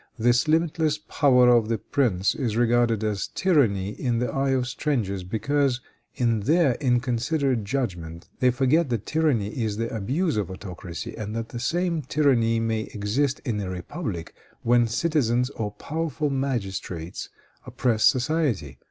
This limitless power of the prince is regarded as tyranny in the eye of strangers, because, in their inconsiderate judgment, they forget that tyranny is the abuse of autocracy, and that the same tyranny may exist in a republic when citizens or powerful magistrates oppress society.